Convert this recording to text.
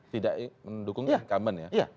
tidak mendukung incumbent ya